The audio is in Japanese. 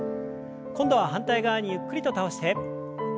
今度は反対側にゆっくりと倒して。